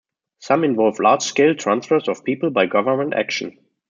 Some involved large-scale transfers of people by government action.